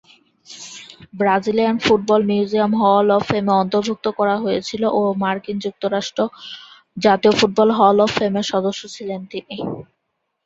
Brazilian football museum hall of ফেমে অন্তর্ভুক্ত করা হয়েছিল ও মার্কিন যুক্তরাষ্ট্র জাতীয় ফুটবল হল অব ফেমের সদস্য ছিলেন তিনি।